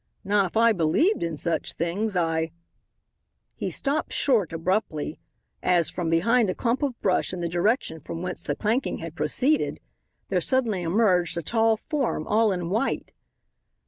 "Now if I believed in such things, I " He stopped short abruptly, as, from behind a clump of brush in the direction from whence the clanking had proceeded, there suddenly emerged a tall form all in white.